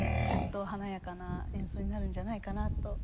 きっと華やかな演奏になるんじゃないかなと。